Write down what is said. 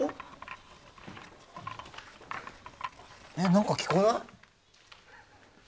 何か聞こえない？